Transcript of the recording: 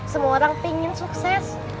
semua orang pingin sukses